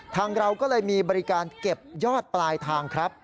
เราก็เลยมีบริการเก็บยอดปลายทางครับ